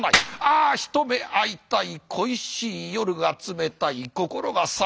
ああ一目会いたい恋しい夜が冷たい心が寒い。